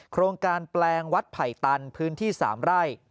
โครงการแปลงวัดไผ่ตันพื้นที่๓ไร่